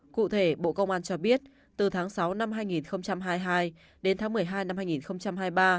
cụ thể bộ công an cho biết từ tháng sáu năm hai nghìn hai mươi hai đến tháng một mươi hai năm hai nghìn hai mươi ba